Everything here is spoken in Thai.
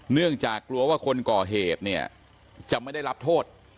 เนื่องจากกลัวว่าคนก่อเหตุเนี่ยจะไม่ได้รับโทษ